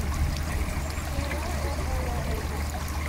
He wrote or co-wrote eight books.